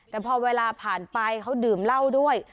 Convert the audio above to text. แต่พอเวลาผ่านไปเขาดื่มเหล้าด้วย